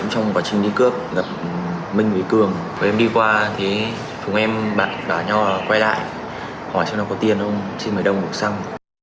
trong quá trình đi cướp gặp minh với cường em đi qua thùng em bạn đã nhỏ quay lại hỏi cho nó có tiền không xin mời đồng một xăng